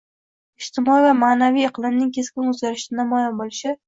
ijtimoiy va ma’naviy iqlimning keskin o‘zgarishida namoyon bo‘lishi